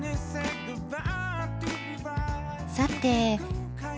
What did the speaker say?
さて。